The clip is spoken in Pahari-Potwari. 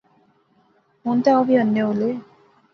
ہُن تے اوہ وی انے ہولے